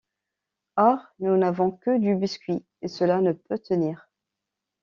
Or, nous n’avons que du biscuit, et cela ne peut tenir.